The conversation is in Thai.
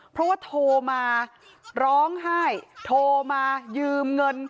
เพราะว่าโทรมาร้องไห้โทรมายืมเงิน